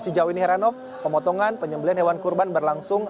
sejauh ini heranov pemotongan penyembelian hewan kurban berlangsung